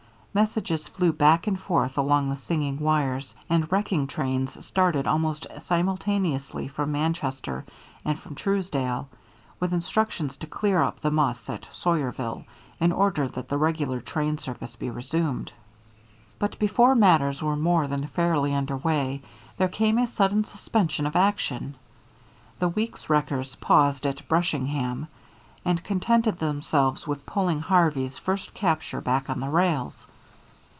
Messages flew back and forth along the singing wires, and wrecking trains started almost simultaneously from Manchester and from Truesdale, with instructions to clear up the muss at Sawyerville, in order that the regular train service be resumed. But before matters were more than fairly under way, there came a sudden suspension of action. The Weeks wreckers paused at Brushingham, and contented themselves with pulling Harvey's first capture back on the rails.